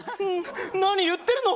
何言ってるの！